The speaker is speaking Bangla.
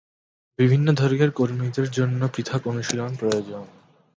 বিভিন্ন দৈর্ঘ্যের কর্মীদের জন্য পৃথক অনুশীলন প্রয়োজন।